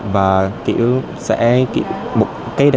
và kiểu sẽ